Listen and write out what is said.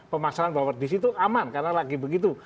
pemasaran bahwa di situ aman karena lagi begitu